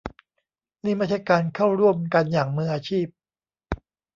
นี่ไม่ใช่การเข้าร่วมกันอย่างมืออาชีพ